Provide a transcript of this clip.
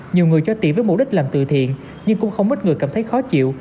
nhiều người cho tiền với mục đích làm từ thiện nhưng cũng không ít người cảm thấy khó chịu